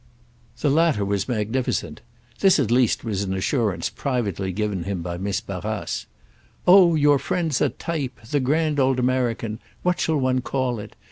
The latter was magnificent—this at least was an assurance privately given him by Miss Barrace. "Oh your friend's a type, the grand old American—what shall one call it?